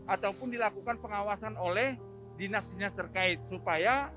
ataupun dilakukan pengawasan oleh dinas dinas terkait supaya ini terjaga kalau memang atapnya ada yang bocor